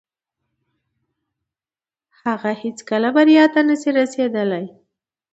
هغه هيڅکه بريا ته نسي رسيدلاي.